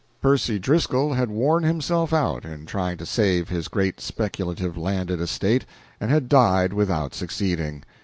Percy Driscoll had worn himself out in trying to save his great speculative landed estate, and had died without succeeding.